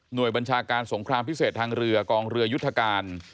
โดยบัญชาการสงครามพิเศษทางเรือกองเรือยุทธการ